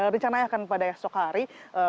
rencananya akan pada esok hari